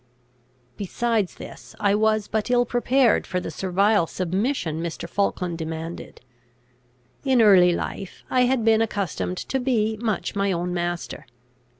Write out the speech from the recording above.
Besides this, I was but ill prepared for the servile submission Mr. Falkland demanded. In early life I had been accustomed to be much my own master.